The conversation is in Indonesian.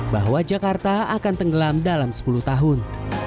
bahwa jakarta akan tenggelam dalam sepuluh tahun